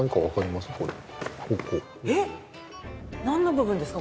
えっなんの部分ですか？